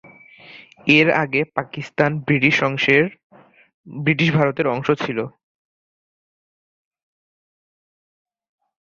এর আগে পাকিস্তান ব্রিটিশ ভারতের অংশ ছিল।